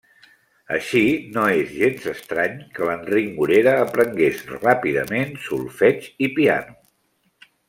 Així, no és gens estrany que l'Enric Morera aprengués ràpidament solfeig i piano.